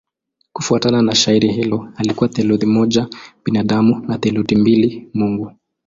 Kufuatana na shairi hilo alikuwa theluthi moja binadamu na theluthi mbili mungu.